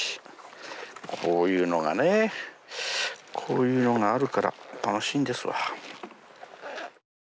こういうのがねこういうのがあるから楽しいんですわ。